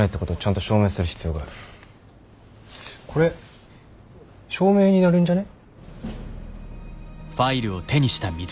これ証明になるんじゃね？